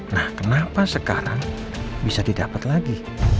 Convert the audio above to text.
nah kenapa sekarang bisa didapat lagi